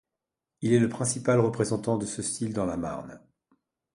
Il est le principal représentant de ce style dans la Marne.